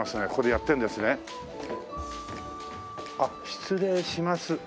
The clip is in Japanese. あっ失礼します。